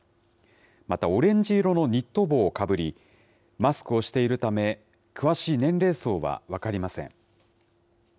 また、オレンジ色のニット帽をかぶり、マスクをしているため、詳しい年齢層は分かりません。